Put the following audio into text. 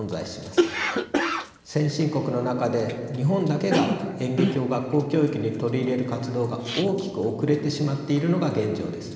先進国の中で日本だけが演劇を学校教育に取り入れる活動が大きく遅れてしまっているのが現状です。